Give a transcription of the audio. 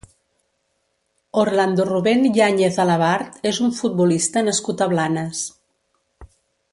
Orlando Rubén Yáñez Alabart és un futbolista nascut a Blanes.